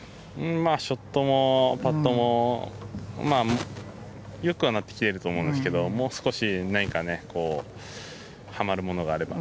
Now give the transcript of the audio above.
ショットもパットも良くはなってきてると思うんですけどもう少し、何かはまるものがあれば。